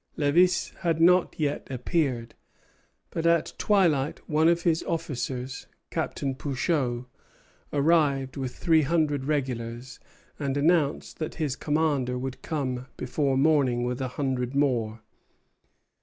Lévis had not yet appeared; but at twilight one of his officers, Captain Pouchot, arrived with three hundred regulars, and announced that his commander would come before morning with a hundred more.